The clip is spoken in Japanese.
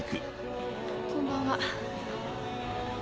あっこんばんは。